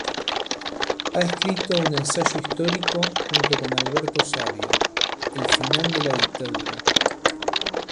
Ha escrito un ensayo histórico junto con Alberto Sabio, "El final de la dictadura.